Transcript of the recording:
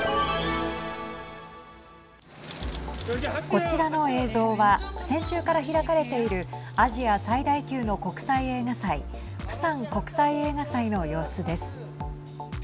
こちらの映像は先週から開かれているアジア最大級の国際映画祭プサン国際映画祭の様子です。